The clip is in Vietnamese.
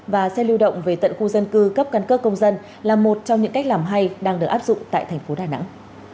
và xe lưu động về tận khu dân cư cấp căn cước công dân là một trong những cách làm hay đang được áp dụng tại thành phố đà nẵng